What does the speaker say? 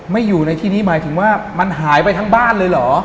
ไม่อยู่ในที่นี้หมายถึงว่ามันหายไปทั้งบ้านเลยเหรอ